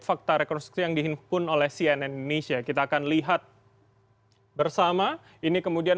fakta rekonstruksi yang dihimpun oleh cnn indonesia kita akan lihat bersama ini kemudian